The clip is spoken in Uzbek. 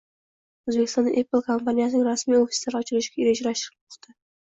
Oʻzbekistonda “Apple” kompaniyasining rasmiy ofislari ochilishi rejalashtirilmoqda.